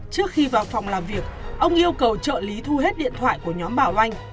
trước khi vào phòng làm việc ông yêu cầu trợ lý thu hết điện thoại của nhóm bảo anh